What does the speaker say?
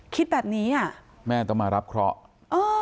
คิดแบบนี้อ่ะแม่ต้องมารับเคราะห์เออ